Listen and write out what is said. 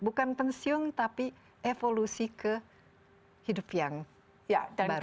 bukan pensiung tapi evolusi ke hidup yang baru lagi